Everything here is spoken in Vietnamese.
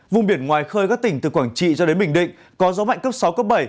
vùng biển ngoài khơi các tỉnh từ quảng trị cho đến bình định có gió mạnh cấp sáu cấp bảy